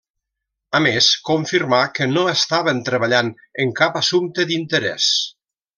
A més confirmà que no estaven treballant en cap assumpte d'interès.